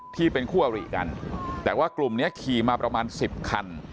ที่เป็นคู่อริกันแต่ว่ากลุ่มนี้ขี่มาประมาณสิบคัน